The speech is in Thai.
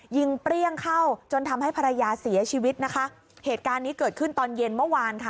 เปรี้ยงเข้าจนทำให้ภรรยาเสียชีวิตนะคะเหตุการณ์นี้เกิดขึ้นตอนเย็นเมื่อวานค่ะ